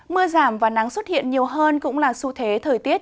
mưa giảm và nắng xuất hiện nhiều hơn cũng là xu thế thời tiết